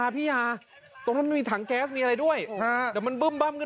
เพราะว่าไฟมันลุกเนี่ยเกิดเข้าไป